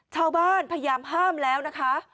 ชาวบ้านพยายามห้ามแล้วนะคะ